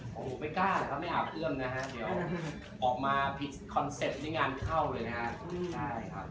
โอ้โหไม่กล้าครับไม่อาบเอื้อมนะฮะเดี๋ยวออกมาผิดคอนเซ็ปต์นี่งานเข้าเลยนะฮะ